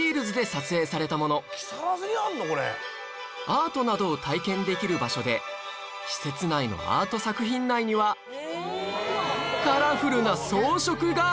アートなどを体験できる場所で施設内のアート作品内にはカラフルな装飾が！